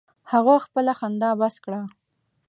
هغه خپله خندا بس کړه.